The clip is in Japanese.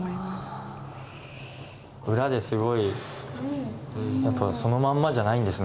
裏ですごいやっぱそのまんまじゃないんですね。